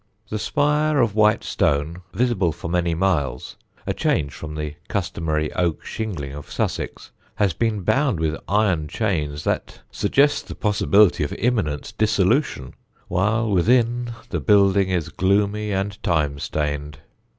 The spire of white stone (visible for many miles) a change from the customary oak shingling of Sussex has been bound with iron chains that suggest the possibility of imminent dissolution, while within, the building is gloomy and time stained.